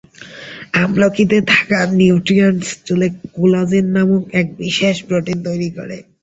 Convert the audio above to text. আমলকীতে থাকা নিউট্রিয়েন্টস, চুলে কোলাজেন নামে এক বিশেষ প্রোটিন তৈরি করে।